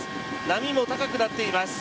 波も高くなっています。